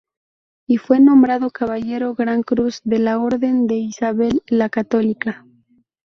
Y fue nombrado caballero gran cruz de la Orden de Isabel la Católica.